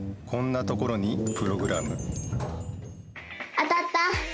当たった！